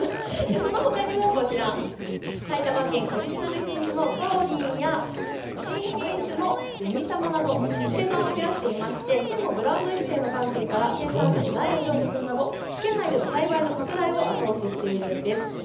そのほかにもこちら、埼玉県オリジナル品種のかおりんや新品種のべにたまなど、生産を増やしていまして、県もブランド育成の観点から生産者に苗を譲渡するなどして県内での栽培の拡大を後押ししています。